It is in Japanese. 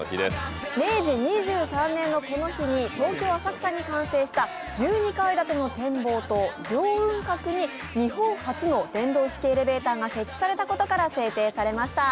明治２３年のこの日に東京・浅草に感染した１２階建ての展望塔、凌雲閣に日本初の電動式エレベーターが設置されたことで制定されました。